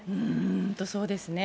本当そうですね。